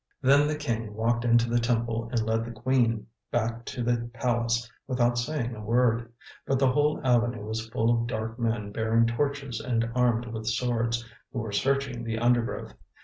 Then the King walked into the temple and led the Queen back to the palace without saying a word; but the whole avenue was full of dark men bearing torches and armed with swords, who were searching the undergrowth.